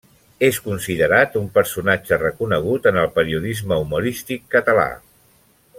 És considerat un personatge reconegut en el periodisme humorístic català.